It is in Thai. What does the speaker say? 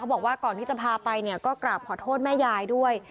บอกว่าก่อนที่จะพาไปเนี่ยก็กราบขอโทษแม่ยายด้วย